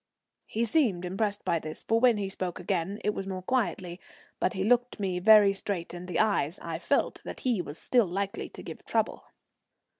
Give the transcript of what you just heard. He seemed impressed by this, for when he spoke again it was more quietly. But he looked me very straight in the eyes. I felt that he was still likely to give trouble.